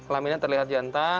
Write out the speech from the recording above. laminnya terlihat jantan